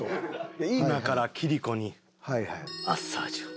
今からキリコにマッサージを。